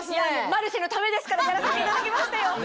『マルシェ』のためですからやらせていただきましたよ。